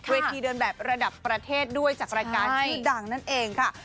ทีเดินแบบระดับประเทศด้วยจากรายการชื่อดังนั่นเองค่ะ